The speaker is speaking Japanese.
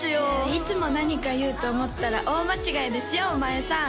いつも何か言うと思ったら大間違いですよお前さん